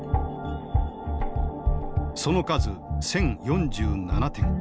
その数１，０４７点。